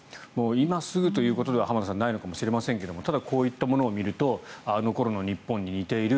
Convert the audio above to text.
今すぐということではないのかもしれませんがただ、こういったものを見るとあの頃の日本に似ている。